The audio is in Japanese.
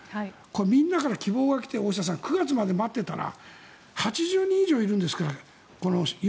みんなから希望が来て大下さん９月まで待っていたら８０人以上いるんですから。